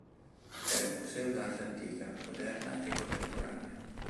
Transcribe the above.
È un museo d'arte antica, moderna e contemporanea.